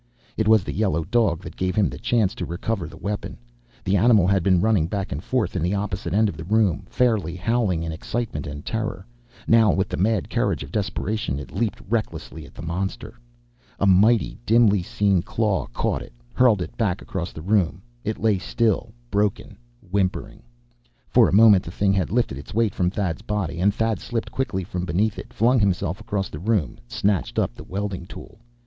It was the yellow dog that gave him the chance to recover the weapon. The animal had been running back and forth in the opposite end of the room, fairly howling in excitement and terror. Now, with the mad courage of desperation, it leaped recklessly at the monster. A mighty, dimly seen claw caught it, hurled it back across the room. It lay still, broken, whimpering. For a moment the thing had lifted its weight from Thad's body. And Thad slipped quickly from beneath it, flung himself across the room, snatched up the welding tool.